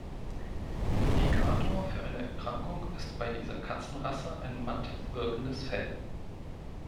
Indikator für eine Erkrankung ist bei dieser Katzenrasse ein matt wirkendes Fell.